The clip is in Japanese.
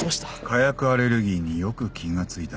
火薬アレルギーによく気が付いたな。